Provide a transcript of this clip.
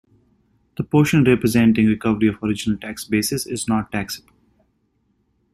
The portion representing recovery of original tax basis is not taxable.